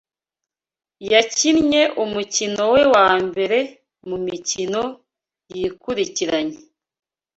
yakinnye umukino we wa mbere mu mikino yikurikiranya